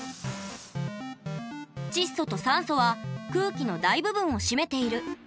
窒素と酸素は空気の大部分を占めている。